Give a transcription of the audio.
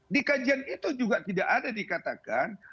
di kajian itu juga tidak ada dikatakan